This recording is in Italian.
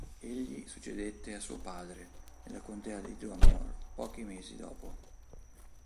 Egli succedette a suo padre, nella contea di Dunmore, pochi mesi dopo.